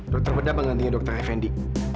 dokter bedah pengantinnya dokter keine fendi